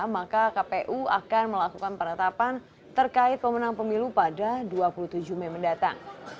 maka kpu akan melakukan penetapan terkait pemenang pemilu pada dua puluh tujuh mei mendatang